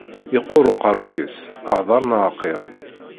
Yeqqur uqerruy-is, hder neɣ qqim.